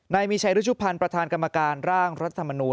ในมีชัยรจุภันประธานกรรมกรร่างรัฐธรรมนูล